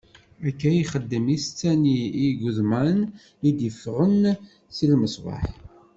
Akka i yexdem i setta-nni n igeḍman i d-iffɣen si lmeṣbaḥ.